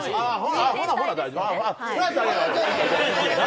ほんなら大丈夫。